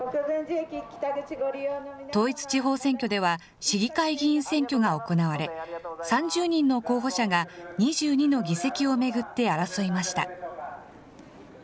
統一地方選挙では、市議会議員選挙が行われ、３０人の候補者が２２の議席を巡って争いました。